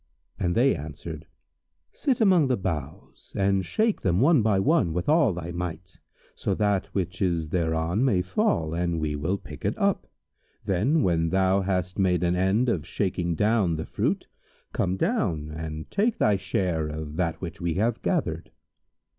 and they answered, "Sit among the boughs and shake them one by one with all thy might, so that which is thereon may fall, and we will pick it up. Then, when thou hast made an end of shaking down the fruit, come down and take thy share of that which we have gathered."